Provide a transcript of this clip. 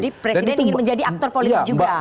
jadi presiden ingin menjadi aktor politik juga